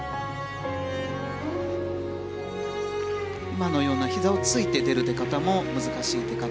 今のようなひざをついて出る出方も難しい出方。